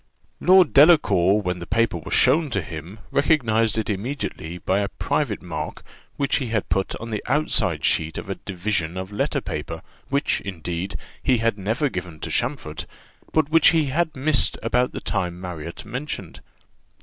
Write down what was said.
Lord Delacour, when the paper was shown to him, recognized it immediately by a private mark which he had put on the outside sheet of a division of letter paper, which, indeed, he had never given to Champfort, but which he had missed about the time Marriott mentioned.